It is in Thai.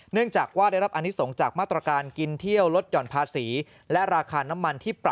เนื่องจากว่าได้รับอานิสงศ์จากมาตรการกินเที่ยวรถหย่อนภาษี